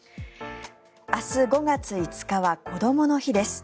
明日、５月５日はこどもの日です。